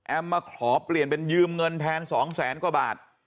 มาขอเปลี่ยนเป็นยืมเงินแทน๒แสนกว่าบาท